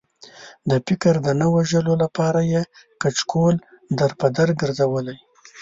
د فکر د نه وژلو لپاره یې کچکول در په در ګرځولی.